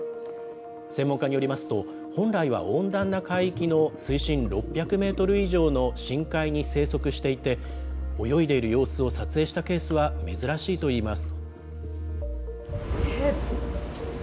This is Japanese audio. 専門家によりますと、本来は温暖な海域の水深６００メートル以上の深海に生息していて、泳いでいる様子を撮影したケースは珍しいといいます。